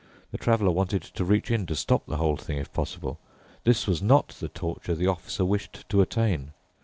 The Traveler wanted to reach in to stop the whole thing, if possible. This was not the torture the Officer wished to attain.